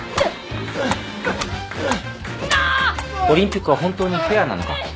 オリンピックは本当にフェアなのか。